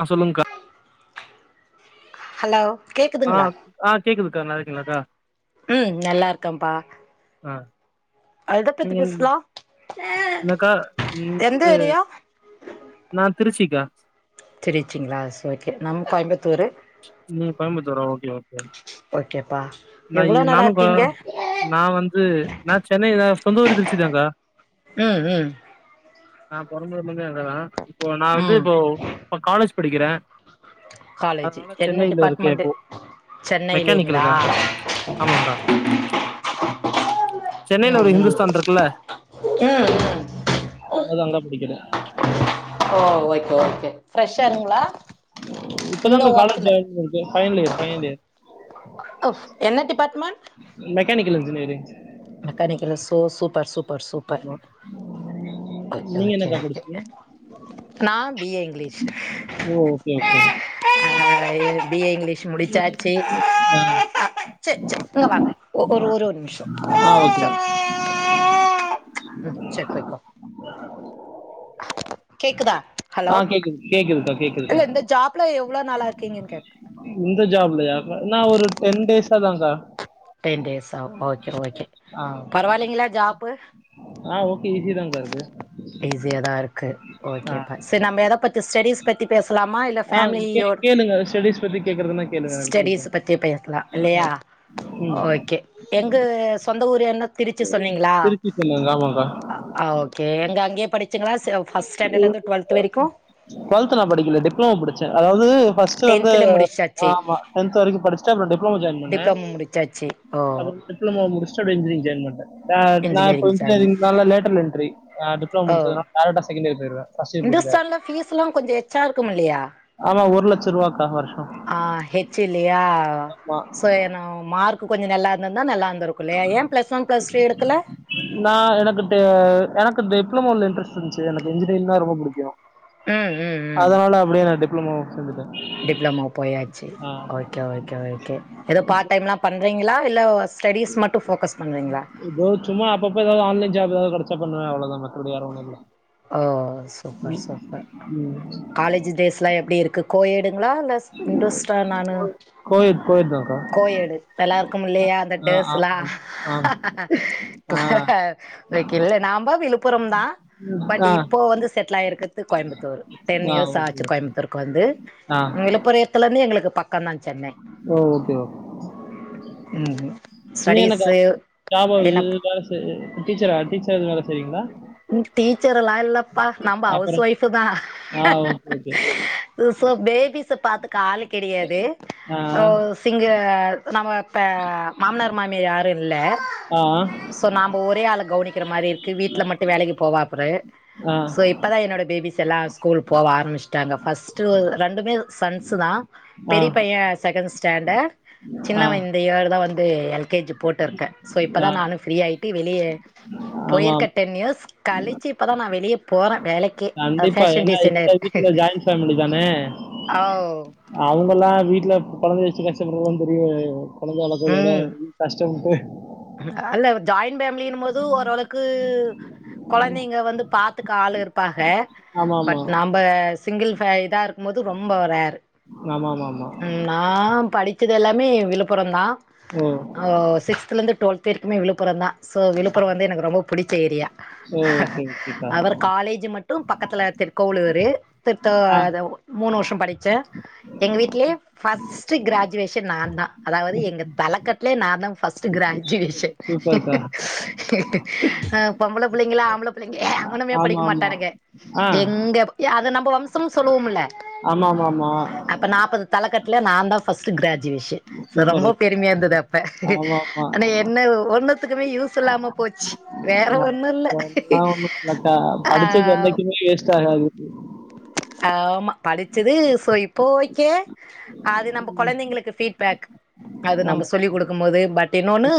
ஆ சொல்லுங்கா ஹலோ ஆ கேக்குதுங்ளா ஆ கேக்குதுக்கா நல்லா இருக்கீங்களாக்கா ம் நல்லா இருக்கேம்பா ஆ ம் பேசலா என்னக்கா ம் எந்த இது ஏரியா நா திருச்சிக்கா திருச்சிங்ளா செரி ஓகே நம்ப கோயம்புத்தூரு நீங்க கோயம்புத்தூரா ஓகே ஓகே ஓகேப்பா நா இ எவ்ளோ நாளா நானுக்கா இருக்கீங்க நா வந்து நா சென்னை தா சொந்த ஊரே திரிச்சிதாக்கா ம் ம் நா பொறந்ததுல இருந்தே அங்க தா இப்போ நா வந்து ம் இப்போ இப்ப காலேஜ் படிக்கிறே காலேஜ் அதனால என்ன சென்னைல இருக்கே டிபார்ட்மெண்ட்டு இப்போ சென்னையிலேங்களா மெக்கானிக்கல்க்கா ஆமாங்கா சென்னைல ம் ஒரு ம் இஹிந்துஸ்தான் இருக்குல்ல ம் ஆனது அங்க படிக்கிற ஓ ஓகே ஓகே ஃப்ரெஷ்ஷர்ருங்களா இந்த இப்பதாங்க்கா காலேஜ் வொர்க்ல ஜாயின் பண்ணிருக்கே ஃபைனல் இயர் ஃபைனல் இயர் அ என்ன department mechanical engineering mechanical so super சூப் ஆமா ஓகே நீங்க ஓகே என்னக்கா ஓகே படிச்சீங்க நா பி ஏ இங்கிலீஷ் ஓ ஓகே ஓகே ஆ பி ஏ இங்கிலீஷ் முடிச்சாச்சு ஆ செ செ இங்க வாங்க ஒ ஒரே ஒரு நிமிஷோ ஆ ஓக் ம் செரி போய்க்கோ [inaudible] கேக்குதா ஆ ஹலோ கேக்குது கேக்குதுக்கா கேக்குதுக்கா இல்ல இந்த ஜாப்ல எவ்ளோ நாளா இருக்கீங்கன்னு கேட் இந்த ஜாப்லயா நா ஒரு டென் டேஸா தாக்கா டென் டேஸ் ஆ ஓகே ஓகே ஆ பரவாயில்லைங்களா ஜாப்பு ஆ ஓகே ஈசிதாக்கா இது ஈஸியா தா இருக்கு ஓகேப்பா செரி நம்ம எத பத்தி ஸ்டஸ் பத்தி பேசலாமா இல்ல ஃமிலியோ இல்லங்க ஸ்டடிஸ் பத்தி கேக்குறதுன்னா கேளுங்க எனக்கு புடிக்கு பேசலா இல்லையா ஓகே எங்க சொந்த ஊர் என்ன திருச்சி சொன்னீங்களா எங்கலள்து கிராமோகா ஆ ஓகே எங்க அங்கே படிச்சுங்களா ஃபஸ்ட் ஸ்டாண்டர்ட்ல இருந்து டுவெல்த் வரைக்கு டுவெல்த் நா படிக்கல டிப்ளோமா முடிச்சே அதாவது ஃபஸ்ட் வந்து டென்த்துல முடிச்சாச்சு ஆமா டென்த் வரைக்கு படிச்சிட்டு அப்றோ டிப்ளோமா ஜாயின் பண்ணே டிப்ளமோ முடிச்சாச்சு ஓ [unintelligible] டிப்ளமோ முடிச்சுட்டு அப்டியே இன்ஜினியரிங் ஜாயின் பண்டே நா இப்போ இன்ஜினியரிங் நால லேட்ரல் என்ட்ரி டிப்ளமோ ஓ முடிச்சது நா டரக்டா செகண்ட் இயர் போயிருவே ஃபர்ஸ்ட் இயர் இந்துஸ்தான்ல ஃபீஸ்ல்லா கொஞ்சோ எச்சா இருக்கும் இல்லையா [unintelligible] ஆமா ஒரு லட்சோ ரூபாக்கா வருஷ் ஆ ஹெச் இல்லையா ஆமா சோ எனா மார்க்கு கொஞ்சோ நல்லா இருந்துந்தா நல்லா இருந்திருக்கில்லயா ஏன் பிளஸ் ஒன் பிளஸ் டூ எடுக்கல நா எனக்கு எனக்கு டிெப்ளமோல இன்ட்ரெஸ்ட் இருந்துச்சு எனக்கு இன்ஜினியரிங்னா ரொம்ப புடிக்கு ம் ம் அதனால அப்டியே நா டிப்ளமோ சேந்துட்டேன் டிப்ளொமோ போயாச்சு ஓகே ஓகே ஓகே ஓகே எதோ பார்ட் டைமல்லா பண்றீங்ளா இல்ல ஸ்டடீஸ் மட்டு ஃபோக்கஸ் பண்றீங்ளா எதோ சும்மா அப்பப்ப எதாவது ஆன்லைன் ஜாப் எதாவது கெடச்சா பண்ணுவ அவ்ளோதா மத்தபடி வேறொன்னுல்ல ஓ சூப்பர் சூப்பர் ம் காலேஜ் டேஸ்ஸெல்லா எப்டி இருக்கு கோயேடுங்ளா இல்ல இந்துஸ்தானானு கோயெய்டுதாக்கா கோயெய்டு நல்லாருக்குமில்லயா அந்த ஆ டேஸ்ஸெல்லா ஆ ஆ இக்கு இல்ல நம்ப விழுப்புரம்தான் பட் ஆ இப்போ வந்து செட்டில் ஆயிருக்கிறது கோயம்புத்தூர் டென் ஆ இயர்ஸ் ஓகே ஆச்சு கோயம்புத்தூருக்கு வந்து ஆ பொரயத்துலந்து எங்களுக்கு பக்கந்தான் சென்னை ஓ ஓகே ம் இன்னு என்னக்கா ஸ்டடீஸு ஜாப் என்ன வேல செய் டீச்சரா டீச்சரா எது வேல செய்றீங்ளா டீச்சர் எல்லா இல்லப்பா நம்ம ஹவுஸ் அப்புறம் ஒய்ஃபுதா ஆ ஓகே ஓகே சோ பேபிஸ பாத்துக்க ஆளு கெடையாது ஆ ஓ சிங்க நம்ம இப்ப மாமனார் மாமியார் யாரு இல்ல ஆ ஸோ நாம ஒரே ஆள கவனிக்கிற மாரி இருக்கு வீட்டில் மட்டு வேலைக்கு போவாப்பரு ஆ ஆ ஸோ இப்பதா என்னோட பேபிஸெல்லா ஸ்கூல் போக ஆரம்பிச்சுட்டாங்க ஃபர்ஸ்ட்டு ரெண்டுமே சன்ஸுதான் ஆ பெரிய பையன் செகண்ட் ஸ்டாண்டர்ட் ஆ சின்ன இயர்தா வந்து எல் கே ஜி போட்டிருக்கேன் சோ ஆ இப்பதா நானு ஃப்ரீ ஆயிட்டு வெளிய ஆமா போயிருக்க டென் இயர்ஸ் கழிச்சு இப்பதான் நா வெளிய போறேன் வேலைக்கே ஃபேஷன் டிசைனர் எல்லா ஜாயின் ஃபேமலிதானே ஆவ் அவுங்கெல்லா வீட்ல கொழந்த வெச்சு கஷ்டப்படுவோனு தெரிய கொழந்த வளக்க எதோ ம் கஷ்டபட்டு அல்ல ஜாயின் பேஃபேமிலினும்போது ஓரளவுக்கு கொழந்தைங்க வந்து பாத்துக்க ஆள் இருப்பாங்க ஆமாமா. பட் நம்ப சிங்கிள் ஃபே இதா இருக்கும்போது ரொம்ப ரேர் ஆமாமாமா நா படிச்சது எல்லாமே விழுப்புரம்தான் ஓ ஓ சிக்ஸ்த்துலந்தே டுவல்த்து வரைக்குமே விழுப்புரம்தான் ஸோ விழுப்புரம் வந்து எனக்கு ரொம்ப புடிச்ச ஏரியா ஓ! ஓகே, ஓகேக்கா. அவர் காலேஜ் மட்டு பக்கத்துல திருக்கோவளூரு திருத்த ஆ மூணு வருஷோ படிச்ச எங்க வீட்லயே ஃபர்ஸ்ட்டு கிராஜுவேஷன் நான்தா அதாவது எங்க தளக்கட்லயே நான்தா ஃபர்ஸ்ட் கிராஜுவேஷன் சூப்பர், சூப்பர்க்கா. ஆ பொம்பள புள்ளைங்ளா ஆம்பள புள்ளைங்க எவனுமே படிக்க ஆமாமா. மாட்டானுங்க ஆ. எங்க ஏ அத நம்ம வம்சம் சொல்லுவோமல்ல ஆமாமாமா அப்ப நாப்பது தலக்கட்டல நான்தா ஃபர்ஸ்ட் ஸ்ட் கிராஜுவேஷன் ரொம்ப சூப்பர். பெருமையா இருந்தது அப்ப ஆமாமா. ஆனா என்ன ஒண்ணத்துக்குமே யூஸ் இல்லாம போச்சு வேற ஒண்ணுல்ல அதெல்லாம் ஒண்ணும் இல்லக்கா. ஆ படிச்சது என்னைக்குமே வேஸ்ட் ஆகாது. ஆமா படிச்சது சோ இப்போ ஓகே அது நம்ம ம். குழந்தைங்களுக்கு ஃபீட்பேக் அது நம்ம ஆமா. சொல்லி் குடுக்கும் போது பட் இன்னொன்னு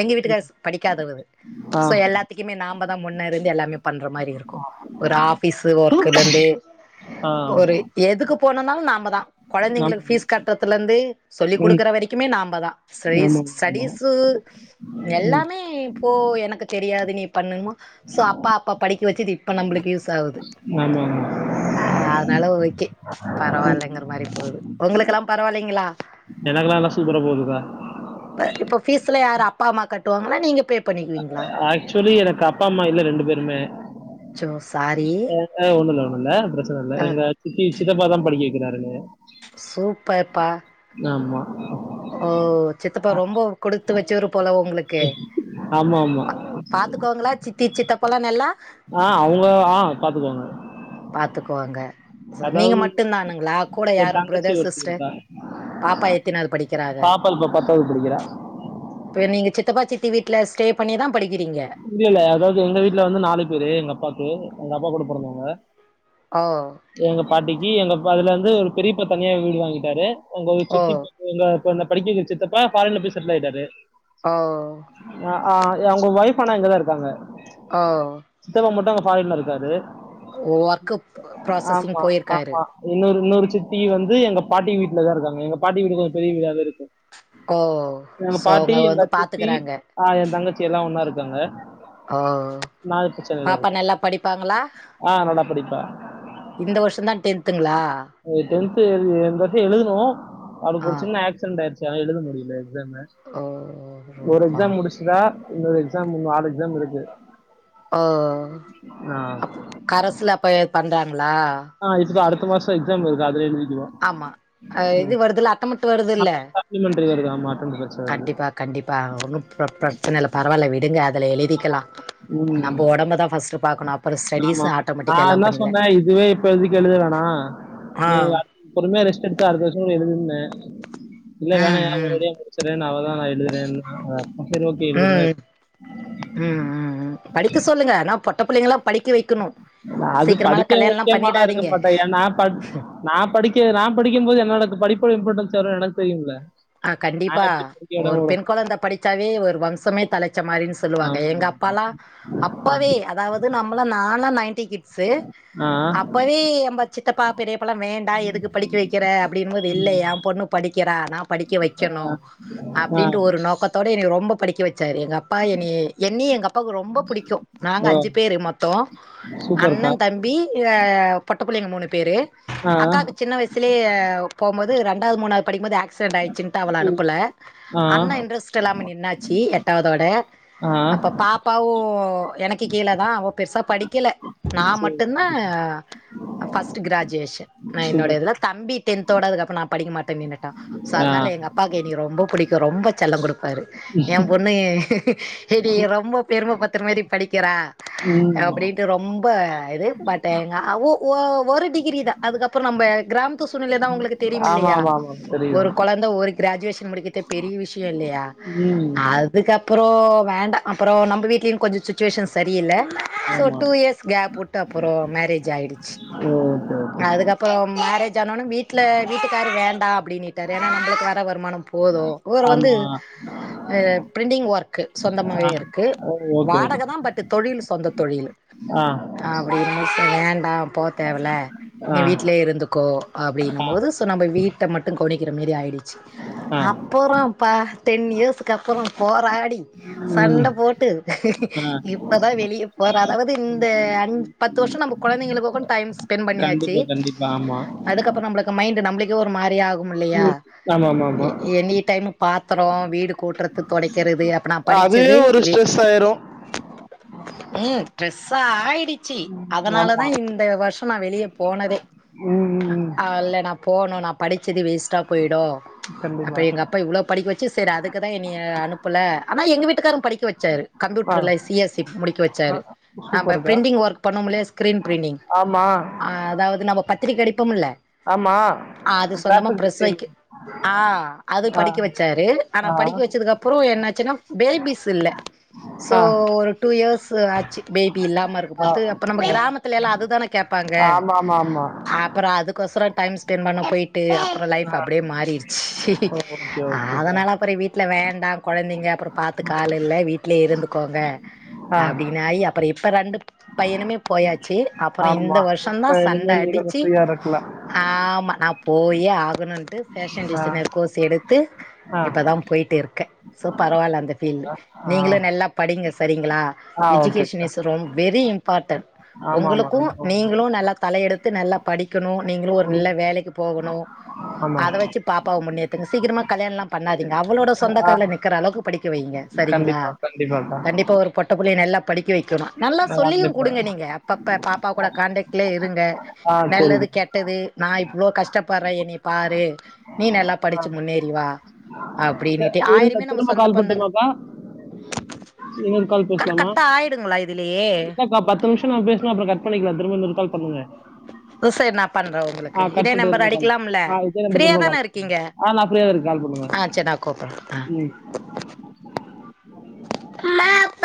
எங்க ம். வீட்டுக்கார்ஸ் படிக்காதவரு ஆ. சோ எல்லாத் துக்குமே நாம தான் முன்னே இருந்து எல்லாமே பண்ற மாரி இருக்கு ஒரு ஆபீஸு ஒர்க்குலேருந்து ஆ. இப்ப ஒரு எதுக்கு போனுனாலு நாம தான் ஆமா. கொழந்தைங்களுக்கு ஃபீஸ் கட் டத்தில இருந்து சொல்லிக் ம். குடுக்கற வரைக்குமே நாம தான் [unintelligible] ஆமாமா. ஸடீஸு ம். எல்லாமே இப்போ எனக்கு தெரியாது நீ பண்ணுமா சோ அப்பா அப்போ படிக்க வச்சது இப்ப நம்மளுக்கு யூஸ் ஆவுது ஆமாமா ஆஹ் அதனால ஓக்கே பரவாயில்லைங்கிற மாரி போவுது உங்களுக்கெல்லா பரவாயில்லைங்களா எனக்கலா நல்லா சூப்பர போதுதா இப்ப இப்போ ஃபீஸ்ஸலா யாரு அப்பா அம்மா கட்டுவாங்களா நீங்க பே பண்ணிக்குவீங்களா ஆக்சுவலி எனக்கு அப்பா அம்மா இல்ல ரெண்டு பேருமே சோ சாரி ஆஹ்ன் ஒண்ணுல்ல ஒண்ணுல்ல பிரச்சனை இல்ல அ எங்க சித்தி சித்தப்பாதான் படிக்க வக்கிறாரு சூப்பர் பா ஆமா ஓ சித்தப்பா ரொம்ப குடுத்து வச்சவரு போல உங்களுக்கு ஆமாமா. பாத்துக்கோங்களா சித்தி சித்தப்பலா நல்லா ஆஹ்ன் அவுங்க ஆஹ் பாத்துக்கோங்க பாத்துக்குவாங்க நீங்க மட்டும் தானுங்களா கூட என் யாரு தங்கச்சி பிரதர் ஒருத்தி சிஸ்டர் இருக்கா. பாப்பா எத்தினாவது படிக்கிறாங்க பாப்பா இப்ப படிக்கிறா. இப்போ நீங்க சித்தப்பா சித்தி வீட்ல ஸ்டேய் பண்ணி தான் படிக்கிறீங்க இல்ல இல்ல அதாவது எங்க வீட்ல வந்து நாலு பேரு எங்க அப்பாவுக்கு எங்க அப்பா கூட பிறந்தவங்க ஆஹ்ன் எங்க பாட்டிக்கி எங்க அப்பா அதுலருந்து பெரியப்பா தனியா வீடு வாங்கிட்டாரு உங்க ஓ சித்தி எங்க இப்ப என்ன படிக்கவைக்கிற சித்தப்பா ஃபாரின்ல போய் செட்டில் ஆய்ட்டாரு ஆஹ்ன் அ ஆஹ்ன் அவுங்க ஒய்ஃப் ஆனா இங்கதா இருகாங்க ஆ சித்தப்பா மட்டும் அங்க ஃபாரின்ல இருக்காரு ஒர்க் ப்ராசஸ்னு ஆமா போயிருக்காரு ஆமா இன்னொரு இன்னொரு சித்தி வந்து எங்க பாட்டி வீட்ல தா இருக்காங்க எங்க பாட்டி வீடு கொஞ்சோ பெரிய வீடாவே இருக்கு ஓ எங்க சோ பாட்டி அவங்க வந்து எங்க சித்தி பாத்துக்கறாங்க அ எ தங்கச்சி எல்லா ஒன்னா இருக்காங்க ஆஹ்ன் நா இப்ப சென்னைல பாப்பா இருக்கே நல்லா படிப்பாங்ளா ஆ நல்லா படிப்பா இந்த வருஷோ தா டென்த்ங்ளா டென்து இந்த வருஷோ எழுதுனு அதுக்கு ஆ ஒரு சின்ன ஆக்சிடென்ட் ஆயிட்ச் எழுத முடியல எக்ஸ்ஸாம ஓ ரொம்ப ஒரு எக்ஸ்ஸாம் பாவம் முடிச்சிடா இன்னொரு எக் எக்ஸாம் இன்னு நாலு எக்ஸாம் இருக்கு ஓ ஆ அப் கரஸ்ல அப்ப பண்றாங்ளா ஆ இப்ப அடுத்த மாசோ எக்ஸாம் இருக்கு வருது அதுல எழுதிக்குவா ஆமா இது ம் வருதுல அட்டம்ட்டு வருதுல சப்ளி சப்ளிமெண்ட்ரி வருது ஆமா அட்டெண்டன்ஸ் வருது கண்டிபா கண்டிபா ஒன்னு பிரச்சன இல்ல பரவாயில்ல விடுங்க அதுல ஆமா எழுதிகலா ம் நம்ம உடம்பதா ஃபஸ்ட் பாக்கணு அப்பறோ ஸ்டடிஸ் ஆட்டோமேட்டிக்கா எல்லா பண்ணிகலா இப்பதிக்கி எழுதவேனா ஆம் பொறுமையா ரெஸ்ட் எடுத்து அடுத்த வருஷ கூடோ எழுதுன்ன இல்ல வேணா ம் ஏ ஒரு ம் வழியா முடிச்சரேனு அவதா நா எழுதுறேன்னா அதா சரி ஓகே எழுதுறனா எ ம் ம் ம் ம் படிக்க சொல்லுங்க ஆனா பொட்ட புள்ளைங்ளா படிக்க வைக்கணு அது சீக்ரமா படிக்க கல்யாணலா பண்ணிடாதீங்க நா படிக்க நா படிக்கும் போது என்னோட படிப்போட இம்பாடன்ஸ் எவ்ளோ எனக் தெரியுல ஆ கண்டிபா ஒரு பெண் கொழந்த படிச்சாவே ஒரு வம்சமே தலச் ச்சமாரினு சொல்லுவாங்க எங்க ஆமாமா. அப்பாலா ஆ, அப்பவே அதாவது நம்மள நாலா நைன்டி கிட் ஸ் ஆ, அப்பவே எம்ப சித்தப்பா பெரியப்பால வேண்டா எதுக்கு படிக்க வைக்கிற அப்டின்பேது இல்ல ஏ பொண்ணுப் படிக்கறா நா படிக்க வைக்கணு ஆ. அப்டின்டு ஒரு ஒரு நோக்கத்தோட எனனைய ரொம்பொ படிக்க வச்சாரு எங்க அப்பா என்னய என்ய எங்க அப் ப்பாக்கு ரொம்ப புடிக்கு நாங்க ஓ! அஞ்சு பேரு மொத்தோ அண்ண சூப்பர்க்கா. தம்பி ஏ பொட்ட புள்ளைங்க மூணு பேரு ஆ, அக்காக்கு சின்ன வய்ஸ் சுலே போம்போது ரண்டாது மூணாது படிக்கும்போது ஆக்சிடென்ட் ஆய்டுசின்டு அவள உ, அனுப்பல ஆ, அண்ண இன்ரஸ்ட் இல்லாம நின்னாச்சு எட்டாதோட ஆ. அப்பப் பாப்பாவு எனக்கு கீழதா அவ பெருசா படிக்கல நா சரி, மட்டுந்தா ஃபஸ்ட் க்ராஜுவேஷன் நா என்னோட சூப்பர். இதுல தம்பி டென்த்தோட அதுகப்றோ நா படிக்க மாட்டன் நின்னுட்டா சோ ஆ, அதனால எங்க அப்பாக்கு எனைய ரொம்பொ புடிக்கும் ரொம்பொ செல்லம் குடுப் பாரு எ பொண்ணு என்னைய ரொம்ப பெரும படுத்துற மாரி படிக்கிறா [unintelligible] அப்டின்ட்டு ரொம்ப இது பட் எங்க அவ் ஒ ஒ ஒரு டிகிரிதா அதுக்கப்றோ நம்ப கிராம் த்து சூழ்நிலைதா உங்களுக்கு தெரியுமில்லையா ஆமாமாமா. ஒரு தெரியும். கொழந்த ஒரு கிராஜுவேஷன் முடிக்கதே பெரிய விஷயோ இல்லையா ம். அது அதுக்கப்புறோ வேண்டா அப்பறோ நம்ம வீட்லயு கொஞ்சொ சுச்சுவேஷன் சரியில்ல சோ ஆமா. டு இயர்ஸ் கேப் உட்டு அப்பறோ மேரேஜ் ஆயிடுச்சு ஓகே ஓகே. அதுக்கப்பறம் மேரேஜ் ஆனோன வீட்ல வீட்டுக்காரு வேண்டா அப்டினீ ட்டாரு ஏனா நம்ளுக்கு வற வருமானம் போது உவரு வந்து ஆமா. அ பிரிண்டிங் ஒர்க்கு சொந்தமாவே ஆ. இருக்கு ஓ! Okay, okay. வாடக தா பட்டு தொழில் சொந்த தொழில் ஆ அப்டின்னு ச வேண்டா போ தேவல நீ ஆ, வீட்லே இருந்துக்கோ ஆ, அப்டின்னும்போது சோ நம்ப வீட்ட மட்டு கவனிக்கிற மாரி ஆகிடுச்சு ஆ. அப்பறோ பா டென் இயர்ஸுக்கு அப்பறம் போராடி ம். சண்ட போட்டு ஆ. இப்பதா வெளிய ஓர் அதாவது இந்த அஞ் பத்து வருஷொ நம்ப கொழந்தைங்களுக்கு கூ டைம் ஸ் பென் பண்ணியாச்சு கண்டிப்பா, கண்டிப்பா. ஆமா. அதுக்கப்பறோ நம்பளுக்கு மைண்ட் நம்பளுக்கே ஒரு மாரியாகும் இல்லையா ம். ஆமாமாமா. எ எனி டைம் பாத்தரோ வீடு கூட்றது தொடைக்கிறது அப்ப நா அதுவே படிச்சது ஒரு வே ஸ்ட்ரெஸ் ஆயிரும். ம் ட்ரெஸ்ஸாயிடுச்சு அதனாலதா ஆமா. இந்த வருஷொ நா வெளியே போனதே ம், ம், ம். அல்ல நா போனு நா படிச்சது வேஸ்ட்டா போயிடு அப்ப கண்டிப்பா. எங்க அப் பா இவ்ளோ படிக்க வச்சு சரி அதுக்குதா என்னய அனுப்புல ஆனா எங்க வீட்டுக்காரும் படிக்க வச்சாரு ஆ, கம்ப்யூட்டர்ல சி எஸ் சி முடிக்க வச்சாரு நாம்ப சூப்பர்க்கா. பிரிண்டிங் ஒர்க் பண்ணோம்லே ஸ்கிரீன் பிரிண்டிங் ஆமா அதாவது நம்ம பத்திரிக்க அடிப்போமுல்ல ஆமா சொந்தமா கிராஃபிக் ப்ரஸ் டிசைனிங். வைக்க ஆ அது ஆ, படிக்க வச்சாரு ஆனா ஆ, படிக்க வச்சதுக்கு அப் அப்பறோ என்னாச்சுன்னா பேபிஸ் இல்ல சோ ஆ, ஒரு டூ இயர்ஸு ஆச்சு பேபி இல்லாம இருக்கும் ஆ. போது அப்போ நம்ம ஓ! கிராமத் துலெல்லா அதுதான கேப்பாங்க ஆமாமாமா. அப்பறோ அதுக் கோஸுரோ டைம் ஸ்பென்ட் பண்ண பொய்ட் ட்டு அப்பறோ லைஃப் ஆ. அப்டியே மாறிடுச்சு ஓ! ஓகே, ஓகேக்கா. அதுனால அப்பறோ வீட் ட்ல வேண்டா கொழந்தைங்க அப்பறோ பாத்துக்க ஆளு இல்ல வீட்லயே இருந்துக்கோங்க ஆ, அப்டின்னாயி அப் அப்பறோ இப்ப ரெண்டு பையனுமே போயாச்சு அப்பறோ இந்த ஆமா. வருஷோந்தா இப்ப சண்ட இனிமே நீ கொஞ்சம் அடிச்சு ஃப்ரீயா இருக்கலாம். ஆமா நா போயே ஆகணுன்ட்டு ஃபேஷன் ஆ. டிசைனர் கோர்சு எடுத்து ஆ இப்பதா போய்ட்டே இருக்கே ஸோ பரவால்ல அந்த ஃபீல்டு சரிக்கா ஆ நீங்களு நல்லா படிங்க செரிங்களா ஆ எஜுகேஷன் ஓகேக்கா இஸ் ரொம்ப வெரி இம்பார்ட்டன் ஆமா ஆமா உங்களுக்கு ரொம்ப நீங்களு நல்லாக் தலையெடுத்து நல்லா படிக்கணு நீங்களும் ஒரு நல்ல வேலைக்கு போகணு அத ஆமாங்க வச்சு பாப்பாவ முன்னேத்துங்க சீக்கிரமா கல்யாணோலா பண்ணாதீங்க அவளோட சொந்தக்கால்ல நிக்குற அளவுக்கு படிக்க வைங்க சரிங்களா கண்டிப்பா கண்டிப்பாக்கா கண்டிப்பா ஒரு பொட்ட புள்ளைய நல்லா படிக்க வைக்கணு நல்லா ஆ சொல்லியு கண்டிப்பா குடுங்க நீங்க அப்பப்ப பாப்பா கூட கான்டெக்ட்லே இருங்க ஆ நல்லது சரிக்கா கெட்டது நா இப் இவ்ளோ கஷ்டப்பட்றே என்னைய பாரு நீ நல்லா படுச்சு முன்னேறிவா இந்த திரும்ப திரும்ப கால் பந்தங்க பண்ணட்டுமாப்பா இன்னொரு கால் கட் பேசலாமா கட் ஆயிடுங்களா இதுலயே இல்லக்கா பத்து நிம்ஷோ நா பேஸ்லா அப்றோ கட் பண்ணிக்லா திரும்ப இன்னொரு கால் பண்ணுங்க ஓ சார் நா பண்றே உங்களுக்கு ஆ கட் இதே பண்ணிட்டு நம்பர் திரும்ப கால் அடிக்கலாம்ல ஆ இதே நம்பர் ஃப்ரீயா திரும்ப தான கால் பண்ணுங்க இருக்கீங்க ஆ நான் ஃப்ரீயா தான் இருக்கேன் கால் பண்ணுங்க ஆ சேர் நா கூப்புட்றே ஆ ம் ந